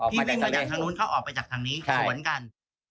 วิ่งเล่นกันจากทางนู้นเขาออกไปจากทางนี้สวนกัน